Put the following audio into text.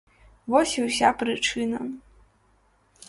Вось і ўся прычына.